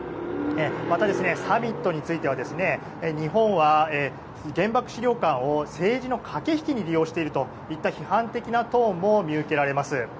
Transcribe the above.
また、サミットについては日本は原爆資料館を政治の駆け引きに利用しているといった批判的なトーンも見受けられます。